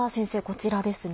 こちらですね。